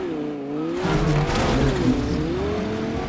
師兄有咩心事